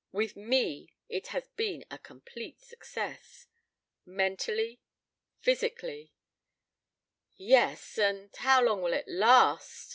"With me it has been a complete success mentally, physically " "Yes, and how long will it last?"